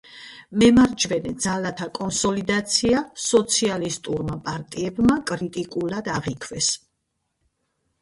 მემარჯვენე ძალათა კონსოლიდაცია სოციალისტურმა პარტიებმა კრიტიკულად აღიქვეს.